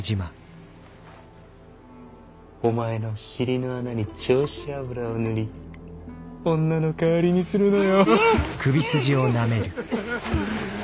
お前の尻の穴に丁子油を塗り女の代わりにするのよ。